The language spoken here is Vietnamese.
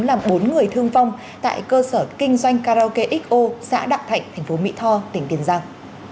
làm bốn người thương phong tại cơ sở kinh doanh karaoke xo xã đạo thạnh tp mỹ tho tỉnh tiền giang